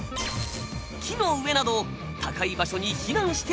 木の上など高い場所に避難してはいけない。